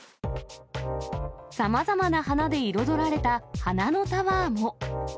さまざまな花で彩られた花のタワーも。